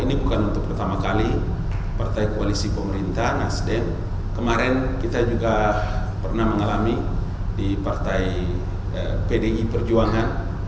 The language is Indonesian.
ini bukan untuk pertama kali partai koalisi pemerintah nasdem kemarin kita juga pernah mengalami di partai pdi perjuangan